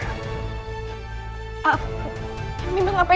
apa yang dia katakan